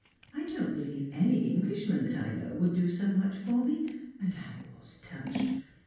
I don't believe any Englishman that I know would do so much for me, and I was touched.